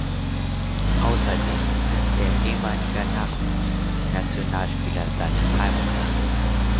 Außerdem ist er ehemaliger Nachwuchsnationalspieler seines Heimatlandes.